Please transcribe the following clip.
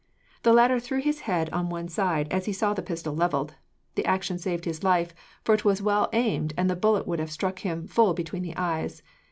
The latter threw his head on one side, as he saw the pistol levelled. The action saved his life, for it was well aimed, and the bullet would have struck him full between the eyes.